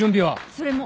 それも。